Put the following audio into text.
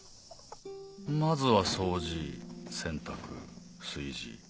まずは掃除洗濯炊事。